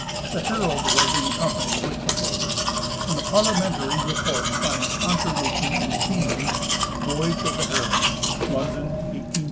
The Herald was in company witli the Plover, and the i)arlia mentary report finds confirmation in Seeman's " Voyage of the Herald,'''' London, 1853, vol.